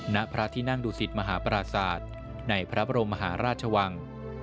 นภภะที่นั่งดุศิษย์มหาปราสาทในพระบรมหาราชวัง